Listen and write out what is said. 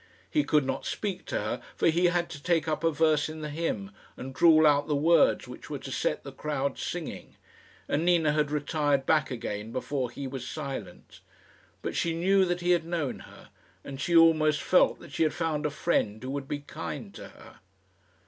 He could not speak to her, for he had to take up a verse in the hymn, and drawl out the words which were to set the crowd singing, and Nina had retired back again before he was silent. But she knew that he had known her, and she almost felt that she had found a friend who would be kind to her.